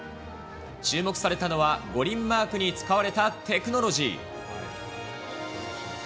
注目されたのは、五輪マークに使われたテクノロジー。